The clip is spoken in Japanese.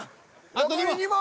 あと２問。